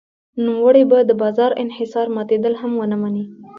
نوموړی به د بازار انحصار ماتېدل هم ونه مني.